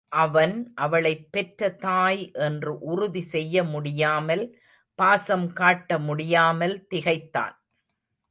அவன் அவளைப் பெற்ற தாய் என்று உறுதி செய்ய முடியாமல் பாசம் காட்ட முடியாமல் திகைத்தான்.